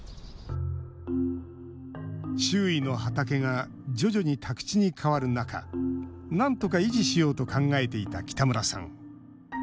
周囲の畑が徐々に宅地に変わる中なんとか維持しようと考えていた北村さん。